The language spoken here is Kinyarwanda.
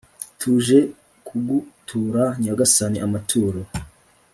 tuje kugutura nyagasani amaturo